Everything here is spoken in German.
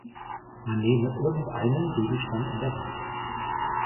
Man nehme irgendeinen Gegenstand in der Welt.